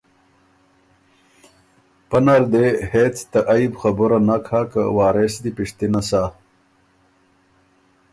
پۀ نر دې هېڅ ته عئب خبُره نک هۀ که وارث دی پشتِنه سۀ